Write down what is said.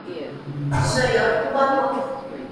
誰有空幫忙